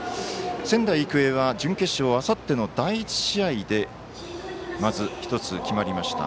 仙台育英は準決勝あさっての第１試合でまず、１つ決まりました。